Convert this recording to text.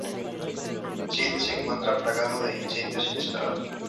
Sid se encuentra plagado de incendios inesperados.